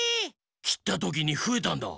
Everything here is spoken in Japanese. きったときにふえたんだ。